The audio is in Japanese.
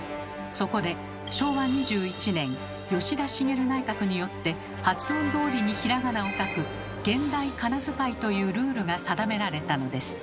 そこで昭和２１年吉田茂内閣によって発音どおりにひらがなを書く「現代かなづかい」というルールが定められたのです。